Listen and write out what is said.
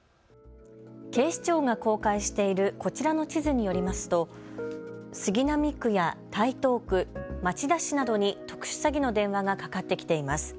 警視庁が公開しているこちらの地図によりますと杉並区や台東区、町田市などに特殊詐欺の電話がかかってきています。